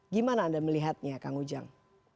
gimana anda melihatnya kang ujang